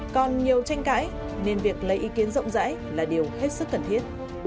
còn nhiều tranh cãi nên việc lấy ý kiến rộng rãi là điều hết sức cần thiết